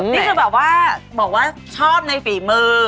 นี่คือแบบว่าบอกว่าชอบในฝีมือ